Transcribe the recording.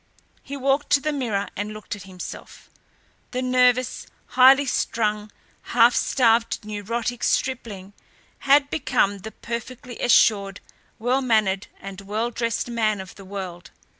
He walked to the mirror and looked at himself. The nervous, highly strung, half starved, neurotic stripling had become the perfectly assured, well mannered, and well dressed man of the world.